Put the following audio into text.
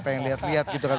pengen lihat lihat gitu kan